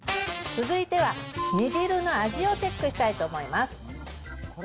続いては、煮汁の味をチェックしたいと思います。